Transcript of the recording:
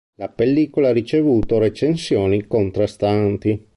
La pellicola ha ricevuto recensioni contrastanti.